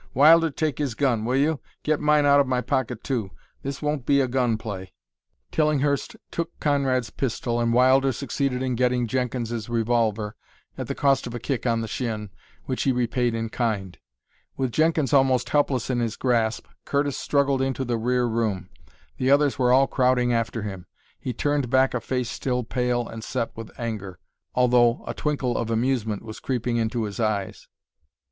"Wilder, take his gun, will you? Get mine out of my pocket, too. This won't be a gun play." Tillinghurst took Conrad's pistol, and Wilder succeeded in getting Jenkins's revolver, at the cost of a kick on the shin, which he repaid in kind. With Jenkins almost helpless in his grasp, Curtis struggled into the rear room. The others were all crowding after him. He turned back a face still pale and set with anger, although a twinkle of amusement was creeping into his eyes.